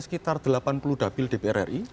sekitar delapan puluh dapil dpr ri